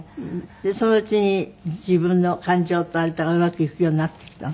でそのうちに自分の感情とあれとがうまくいくようになってきたの？